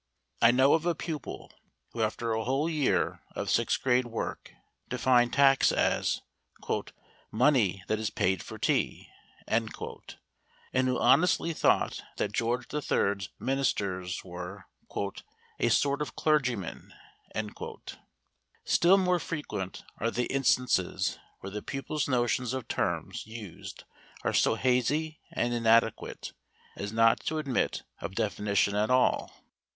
I know of a pupil who after a whole year of Sixth Grade work defined tax as "money that is paid for tea," and who honestly thought that George III's ministers were "a sort of clergymen." Still more frequent are the instances where the pupil's notions of terms used are so hazy and inadequate as not to admit of definition at all.